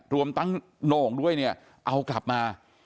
รวมทั้งโหน่งด้วยเนี่ยเอากลับมา